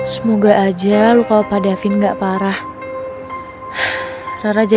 semoga aja lu kalau pak davin enggak parah